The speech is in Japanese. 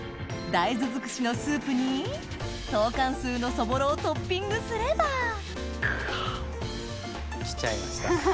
大豆尽くしのスープにトーカンスーのそぼろをトッピングすれば来ちゃいました。